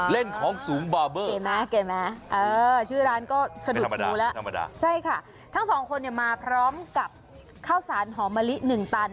เล่นของสูงบาร์เบอร์เก่งมากชื่อร้านก็สะดุดกูละทั้งสองคนมาพร้อมกับข้าวสารหอมมะลิ๑ตัน